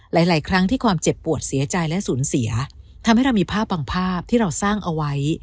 หลายหลายครั้งที่ความเจ็บปวดเสียใจและสูญเสียทำให้เรามีภาพบางภาพที่เราสร้างเอาไว้